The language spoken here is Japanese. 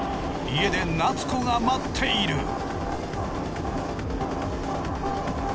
家で夏子が待っている。